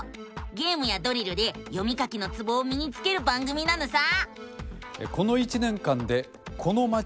ゲームやドリルで読み書きのツボをみにつける番組なのさ！